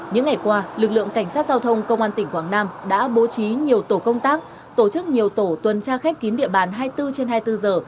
những ngày qua lực lượng cảnh sát giao thông công an tỉnh quảng nam đã bố trí nhiều tổ công tác tổ chức nhiều tổ tuần tra khép kín địa bàn hai mươi bốn trên hai mươi bốn giờ